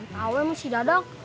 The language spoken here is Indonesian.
tahu emang si dadang